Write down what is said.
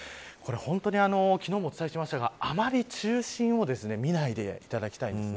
本当に昨日もお伝えしましたがあまり中心を見ないでいただきたいです。